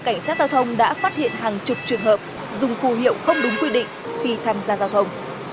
cảnh sát giao thông đã phát hiện hàng chục trường hợp dùng phù hiệu không đúng quy định khi tham gia giao thông